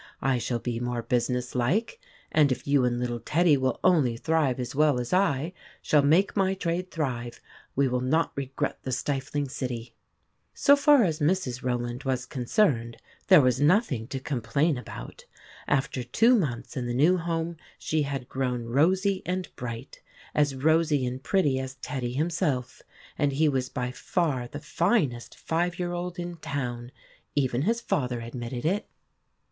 I shall be more businesslike, and if you and little Teddy will only thrive as well as I shall make my trade thrive, we will not regret the stifling city." So far as Mrs. Rowland was concerned, there was nothing to complain about. After two months in the new home, she had grown rosy and bright as rosy and pretty as Teddy himself; and he was by far the finest five year old in town even his father admitted it.